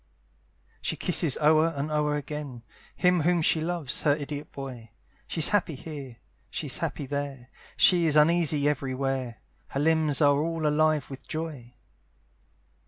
She kisses o'er and o'er again, Him whom she loves, her idiot boy, She's happy here, she's happy there, She is uneasy every where; Her limbs are all alive with joy.